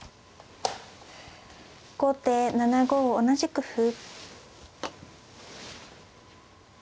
後手７五同じく歩。